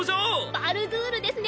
バルドゥールですね。